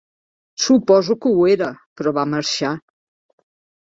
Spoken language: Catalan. Suposo que ho era, però va marxar.